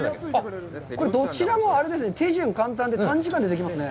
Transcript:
これ、どちらもあれですね、手順簡単で、短時間でできますね。